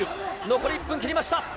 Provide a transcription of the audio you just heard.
残り１分切りました。